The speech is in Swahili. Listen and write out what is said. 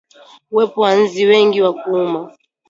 Uwepo wa nzi wengi wa kuuma